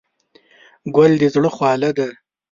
ګل د زړه خواله ده.